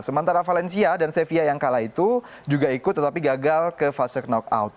sementara valencia dan sevia yang kalah itu juga ikut tetapi gagal ke fase knockout